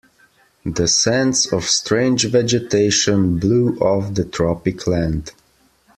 The scents of strange vegetation blew off the tropic land.